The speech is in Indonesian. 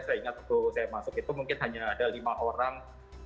saya ingat waktu saya masuk itu mungkin hanya ada lima orang